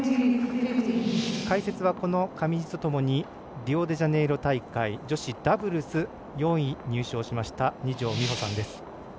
解説は、この上地とともにリオデジャネイロ大会女子ダブルス４位入賞しました二條実穂さんです。